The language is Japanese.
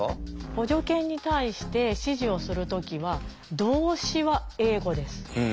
補助犬に対して指示をする時は動詞は英語です。